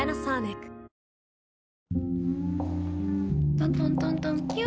トントントントンキュ。